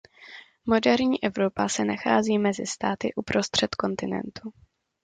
Moderní Evropa se nachází mezi státy uprostřed kontinentu.